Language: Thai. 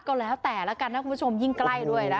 ก็แล้วแต่ละกันนะคุณผู้ชมยิ่งใกล้ด้วยนะ